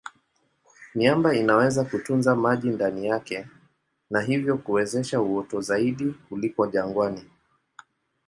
Miamba inaweza kutunza maji ndani yake na hivyo kuwezesha uoto zaidi kuliko jangwani.